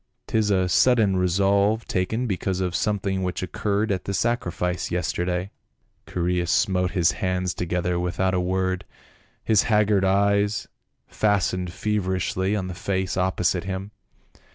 'Tis a sudden resolve taken because of something which occurred at the sacrifice yesterday." THE END OF THE PLAY. 195 Chaereas smote his hands together without a word, his haggard eyes fastened feverishly on the face oppo site him.